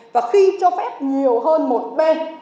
và khi cho phép nhiều hơn một bên